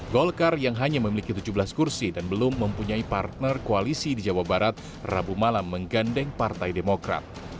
golkar yang hanya memiliki tujuh belas kursi dan belum mempunyai partner koalisi di jawa barat rabu malam menggandeng partai demokrat